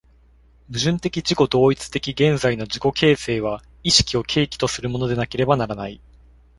矛盾的自己同一的現在の自己形成は意識を契機とするものでなければならない。